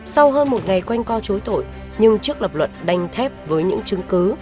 sau hơn một ngày quanh co chối tội nhưng trước lập luận đánh thép với những chứng cứ